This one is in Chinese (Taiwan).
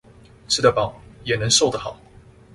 吃得飽，也能瘦得好！